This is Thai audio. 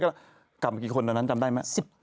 กลับมากี่คนนั้นจำได้ไหม